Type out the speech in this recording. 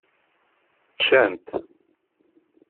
Ččant.